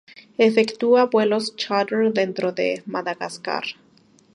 Efectúa vuelos chárter dentro de Madagascar.